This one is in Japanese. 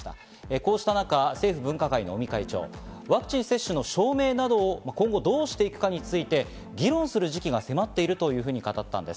こうした中、政府分科会の尾身会長、ワクチン接種の証明書などを今後どうしていくかについて、議論する時期が迫っているというふうに語ったんです。